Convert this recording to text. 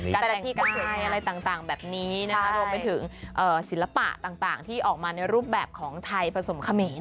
การที่การแสดงในอะไรต่างแบบนี้รวมไปถึงศิลปะต่างที่ออกมาในรูปแบบของไทยผสมเขมร